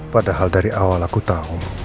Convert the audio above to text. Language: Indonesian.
padahal dari awal aku tahu